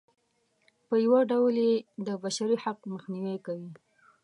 په یوه ډول یې د بشري حق مخنیوی کوي.